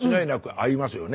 合いますね。